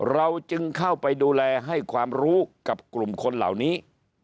เราจึงเข้าไปดูแลให้ความรู้กับกลุ่มคนเหล่านี้